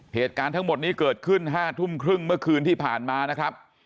เหตุการณ์ทั้งหมดนี้เกิดขึ้น๕ทุ่มครึ่งเมื่อคืนที่ผ่านมานะครับ